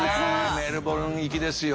メルボルン行きですよ。